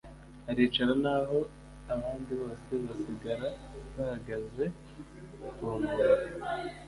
aricara naho abandi bose basigara bahagaze ku nkombe